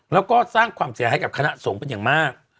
แล้วก็สร้างความเสียให้กับคณะสงฆ์เป็นอย่างมาก